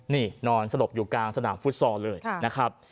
นี่นอนสลบอยู่กลางสนามฟุตซอลเลยนะครับ